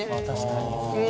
確かに。